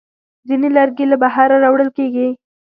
ځینې لرګي له بهره راوړل کېږي.